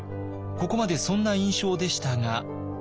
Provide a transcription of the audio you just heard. ここまでそんな印象でしたが。